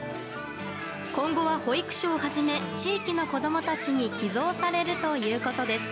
今後は保育所をはじめ地域の子供たちに寄贈されるということです。